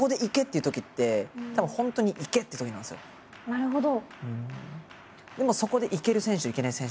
なるほど！